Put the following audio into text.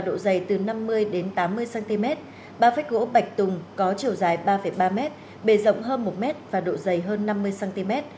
độ dày từ năm mươi đến tám mươi cm ba phách gỗ bạch tùng có chiều dài ba ba m bề rộng hơn một m và độ dày hơn năm mươi cm